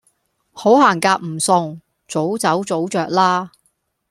好行夾唔送，早走早著啦